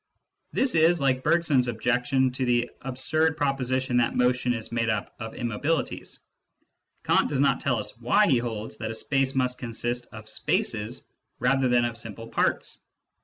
This is like Bergson's objection to "the absurd proposition that motion is made up of immobilities." Kant does not tell us why he holds that a space must consist of spaces rather than of simple parts.